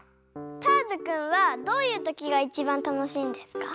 ターズくんはどういうときがいちばんたのしいんですか？